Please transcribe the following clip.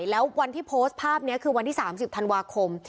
แล้ววันที่โพสต์ภาพนี้คือวันที่๓๐ธันวาคม